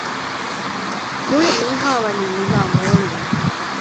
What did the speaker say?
މުޅިމީހާވަނީ މިލާ މޯޅިވެފަ